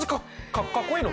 かっこいいの？